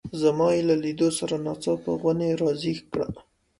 زما یې له لیدو سره ناڅاپه غونی را زېږ کړ.